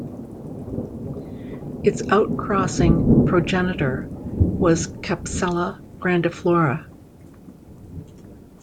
Its outcrossing progenitor was "Capsella grandiflora".